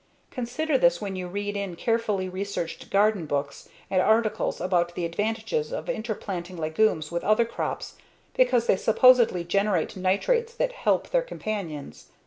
Consider this when you read in carelessly researched garden books and articles about the advantages of interplanting legumes with other crops because they supposedly generate nitrates that "help" their companions.